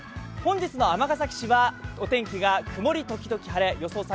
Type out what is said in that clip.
本日の尼崎市はお天気が曇り時々晴れ予想